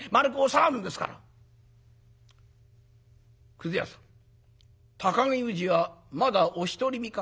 「くず屋さん高木氏はまだお独り身か？